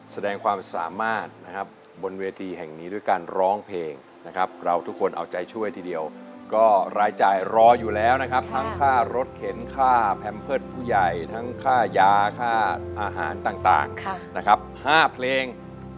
ทั้งค่ายาค่าอาหารต่างนะครับ๕เพลง